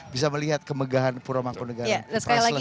bisa melihat kemegahan pura mangkunegaraan